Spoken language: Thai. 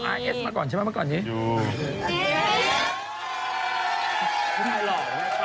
ผู้ชายหล่อว่ะครับ